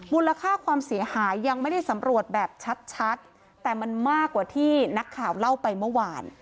มูลค่าความเสียหายยังไม่ได้สำรวจแบบชัดแต่มันมากกว่าที่นักข่าวเล่าไปเมื่อวาน